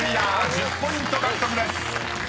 １０ポイント獲得です］